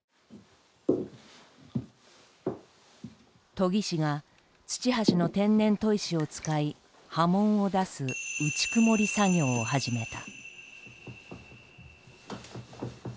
研師が土橋の天然砥石を使い刃文を出す「内曇」作業を始めた。